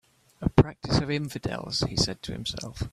"A practice of infidels," he said to himself.